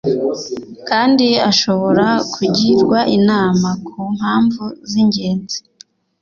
kandi ashobora kugirwa inama kumpamvu z’ingenzi